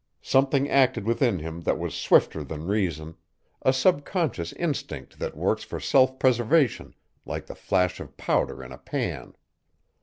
Something acted within him that was swifter than reason a sub conscious instinct that works for self preservation like the flash of powder in a pan.